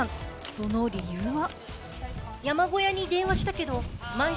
その理由は。